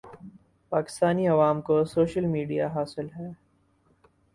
پاکستانی عوام کو social media حاصل ہے